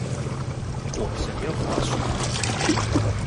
我想要滑雪